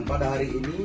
dan pada hari ini